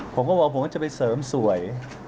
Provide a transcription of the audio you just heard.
ผมก็บอกว่าผมจะไปเสริมสวย